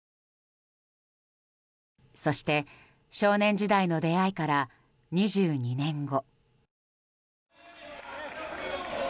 そして、少年時代の出会いから２２年後。